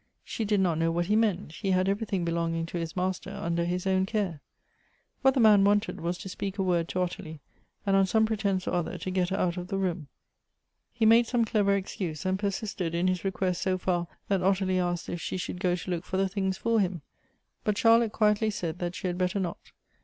She did not know what he meant — he had everything belonging to his master under his own care. What the man wanted was to speak a word to Ottilie, and on some pretence or other to get her out of the room ; he made some clever excuse, and persisted in his request so far that Ottilie asked if she should go to look for the things for him ? But Charlotte quietly said that she had better not.